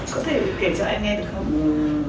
có thể kể cho anh nghe được không